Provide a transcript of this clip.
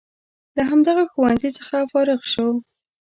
له همدغه ښوونځي څخه فارغ شو.